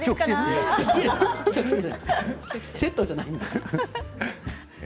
セットじゃないんだから。